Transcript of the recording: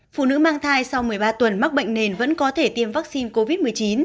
phụ nữ mang thai sau một mươi ba tuần mắc bệnh nền vẫn có thể tiêm vaccine covid một mươi chín